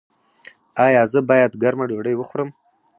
ایا زه باید ګرمه ډوډۍ وخورم؟